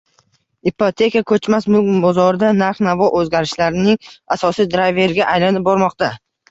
Ipoteka koʻchmas mulk bozorida narx-navo oʻzgarishlarining asosiy drayveriga aylanib bormoqda.